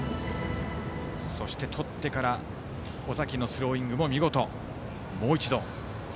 そしてとってから尾崎のスローイングも見事。